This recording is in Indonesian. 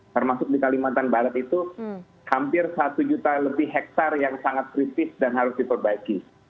termasuk di kalimantan barat itu hampir satu juta lebih hektare yang sangat kritis dan harus diperbaiki